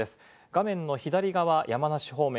画面の左側、山梨方面。